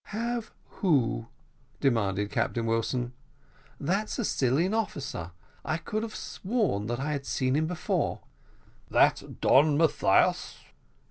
"Have who?" demanded Captain Wilson. "That Sicilian officer I could have sworn that I had seen him before." "That Don Mathias?"